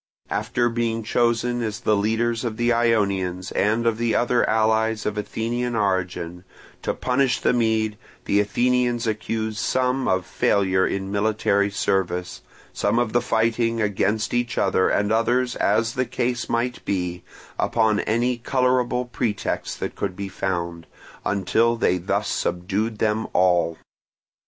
After being chosen as the leaders of the Ionians and of the other allies of Athenian origin, to punish the Mede, the Athenians accused some of failure in military service, some of fighting against each other, and others, as the case might be, upon any colourable pretext that could be found, until they thus subdued them all.